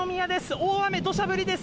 大雨、どしゃ降りです。